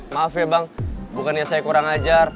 maaf ya bang bukannya saya kurang ajar